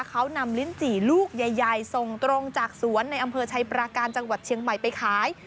เขานำลิ้นจี่ลูกใหญ่ส่งตรงจากสวนในอำเภอชัยปราการจังหวัดเชียงใหม่ไปขาย